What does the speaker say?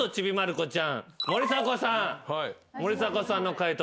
森迫さんの解答